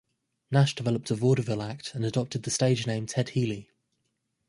Nash developed a vaudeville act and adopted the stage name Ted Healy.